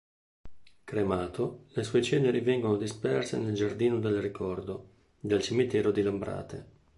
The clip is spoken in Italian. Cremato, le sue ceneri vengono disperse nel "Giardino del ricordo" del cimitero di Lambrate.